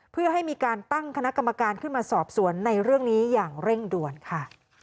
เพื่อให้มีการตั้งคณะกรรมการขึ้นมาสอบสวนในเรื่องนี้อย่างเร่งด่วนค่ะ